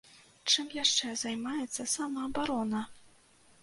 Чым яшчэ займаецца самаабарона?